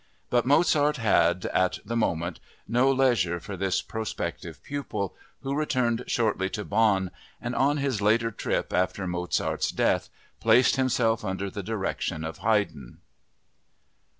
But Mozart had, at the moment, no leisure for this prospective pupil, who returned shortly to Bonn and on his later trip after Mozart's death placed himself under the direction of Haydn.